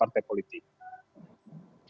partai politik atau gabungan partai politik